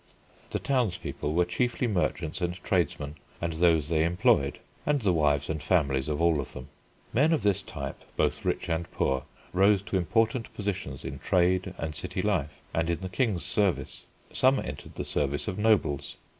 The townspeople were chiefly merchants and tradesmen and those they employed, and the wives and families of all of them. Men of this type, both rich and poor, rose to important positions in trade and city life, and in the King's service. Some entered the service of nobles.